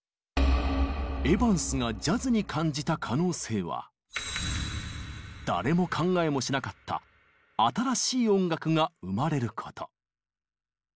エヴァンスがジャズに感じた可能性は「誰も考えもしなかった新しい音楽」が生まれること。